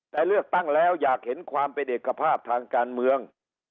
แต่เลือกตั้งแล้วอยากเห็นความเป็นเอกภาพทางการเมือง